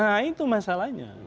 nah itu masalahnya